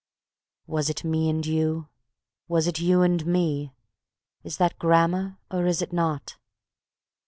_ "Was it me and you? Was it you and me? (Is that grammar, or is it not?)